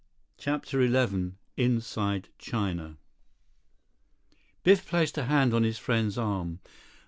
81 CHAPTER XI Inside China Biff placed a hand on his friend's arm.